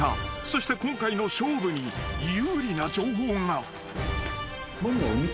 ［そして今回の勝負に有利な情報が］